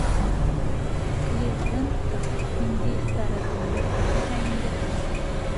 — Кливлендтың «Индеецтар»ы дөмбәҫләмәһә инде!